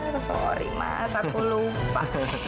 maaf mas aku lupa